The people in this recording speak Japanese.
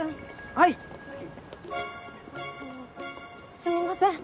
すいません